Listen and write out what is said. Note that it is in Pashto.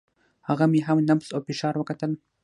هغه مې هم نبض او فشار وکتل.